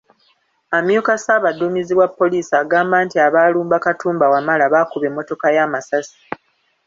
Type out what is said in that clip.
Amyuka ssaabadumizi wa poliisi agamba nti abaalumba Katumba Wamala baakuba emmotoka ye amasasi.